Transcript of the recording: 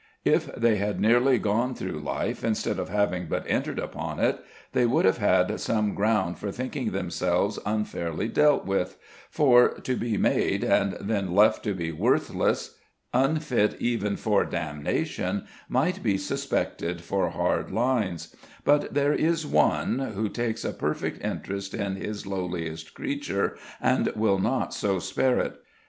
If they had nearly gone through life instead of having but entered upon it, they would have had some ground for thinking themselves unfairly dealt with; for to be made, and then left to be worthless, unfit even for damnation, might be suspected for hard lines; but there is One who takes a perfect interest in his lowliest creature, and will not so spare it.